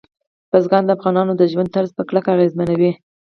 بزګان د افغانانو د ژوند طرز په کلکه اغېزمنوي.